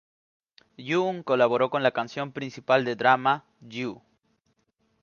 Yoon colaboró con la canción principal de drama, "You".